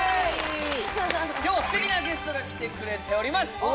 今日は素敵なゲストが来てくれております